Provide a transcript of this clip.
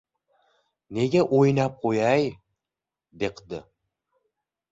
— Nega o‘ynab qo‘yay, deqdi?